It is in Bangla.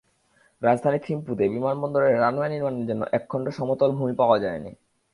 রাজধানী থিম্পুতে বিমানবন্দরের রানওয়ে নির্মাণের জন্য একখণ্ড সমতল ভূমি পাওয়া যায়নি।